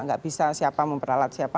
nggak bisa siapa memperalat siapa